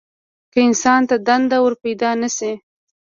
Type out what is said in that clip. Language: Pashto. که انسان ته دنده ورپیدا نه شي.